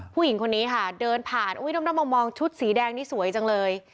ผู้หญิงคนนี้ค่ะเดินผ่านอุ้ยน้องมองชุดสีแดงนี่สวยจังเลย